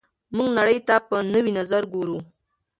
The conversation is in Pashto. موږ نړۍ ته په نوي نظر ګورو.